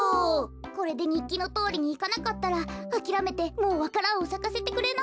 これでにっきのとおりにいかなかったらあきらめてもうわか蘭をさかせてくれないんじゃない？